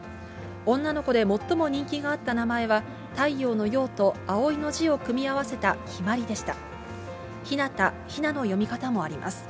女の子で最も人気があった名前は、太陽の陽とあおいの字を組み合わせたひまりでした。